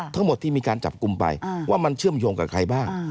ทั้งหมดที่มีการจับกลุ่มไปว่ามันเชื่อมโยงกับใครบ้าง